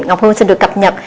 ngọc hương xin được cập nhật